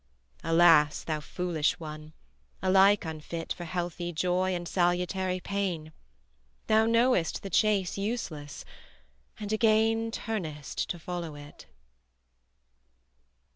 Alas, thou foolish one! alike unfit For healthy joy and salutary pain: Thou knowest the chase useless, and again Turnest to follow it.